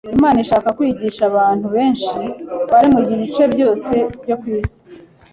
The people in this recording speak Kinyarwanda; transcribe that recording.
Imana ishaka kwigisha abantu benshi bari mu bice byose byo ku isi